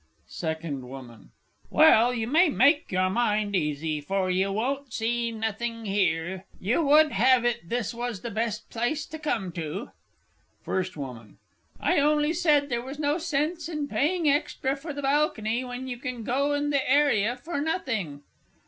SECOND WOMAN. Well, you may make your mind easy for you won't see nothing here; you would have it this was the best place to come to! FIRST WOMAN. I only said there was no sense in paying extra for the balcony, when you can go in the area for nothing.